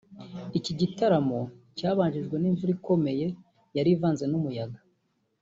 Iki gitaramo cyabanjirijwe n’imvura ikomeye yari ivanze n’umuyaga